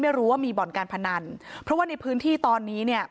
ไม่รู้ว่ามีบ่อนการพนันเพราะว่าในพื้นที่ตอนนี้เนี่ย